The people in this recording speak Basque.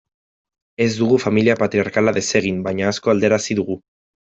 Ez dugu familia patriarkala desegin, baina asko aldarazi dugu.